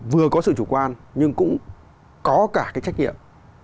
vừa có sự chủ quan nhưng cũng có cả cái trách nhiệm